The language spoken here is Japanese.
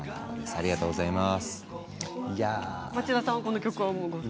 ありがとうございます。